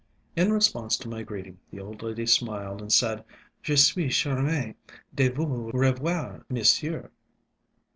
In response to my greeting, the old lady smiled and said: _"Je suis charmée de vous revoir, monsieur."